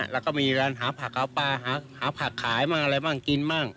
แล้วก็มีการหาผักหาปลาหาผักขายบ้างอะไรบ้างกินบ้าง